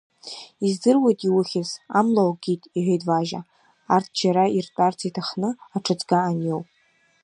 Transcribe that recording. Издыруеит иухьыз, амла уакит, — иҳәеит Важьа, арҭ џьара иртәарц иҭахны, аҿыҵга аниоу.